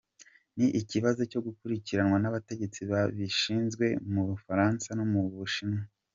"Ni ikibazo cyo gukurikiranwa n'abategetsi babishinzwe mu Bufaransa no mu Bushinwa.